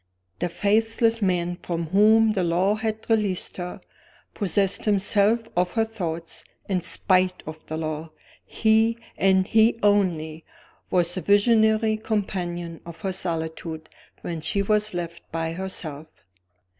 The faithless man from whom the law had released her, possessed himself of her thoughts, in spite of the law. He, and he only, was the visionary companion of her solitude when she was left by herself.